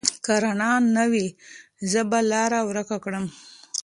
که رڼا نه وي، زه به لاره ورکه کړم.